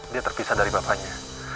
dia terpisah dari papanya